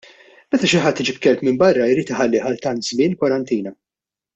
Meta xi ħadd iġib kelb minn barra jrid iħallih għal tant żmien kwarantina.